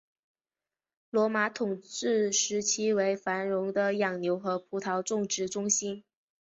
罗马统治时期为繁荣的养牛和葡萄种植中心。